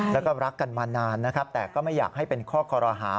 แล้วก็รักกันมานานนะครับแต่ก็ไม่อยากให้เป็นข้อคอรหา